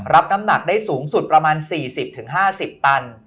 รับน้ำหนักได้สูงสุดประมาณ๔๐๕๐ตัน